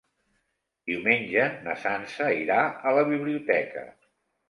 Diumenge na Sança irà a la biblioteca.